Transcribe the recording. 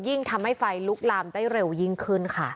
ยิ่งทำให้ไฟลุกลามได้เร็วยิ่งขึ้นค่ะ